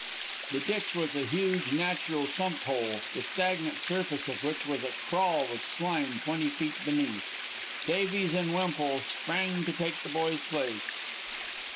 The ditch was a huge natural sump hole, the stagnant surface of which was a crawl with slime twenty feet beneath. Davies and Wemple sprang to take the boy's place.